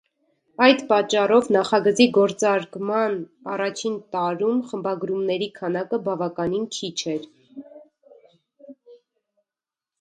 Այդ պատճառով նախագծի գործարկման առաջին տարում խմբագրումների քանակը բավականին քիչ էր։